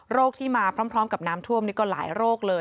ที่มาพร้อมกับน้ำท่วมนี่ก็หลายโรคเลย